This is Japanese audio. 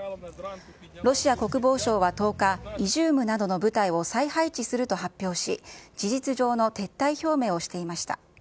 ロシア国防省は１０日、イジュームなどの部隊を再配置すると発表し、事実上の撤退表明をしていました。